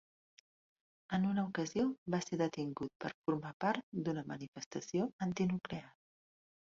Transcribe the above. En una ocasió va ser detingut per formar part d'una manifestació antinuclear